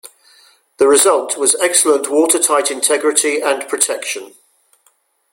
The result was excellent watertight integrity and protection.